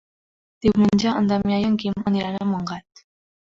Diumenge en Damià i en Quim aniran a Montgat.